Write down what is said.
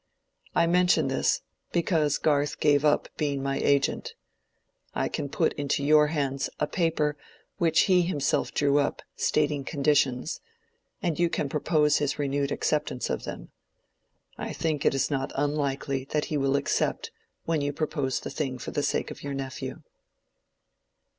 I mention this, because Garth gave up being my agent. I can put into your hands a paper which he himself drew up, stating conditions; and you can propose his renewed acceptance of them. I think it is not unlikely that he will accept when you propose the thing for the sake of your nephew."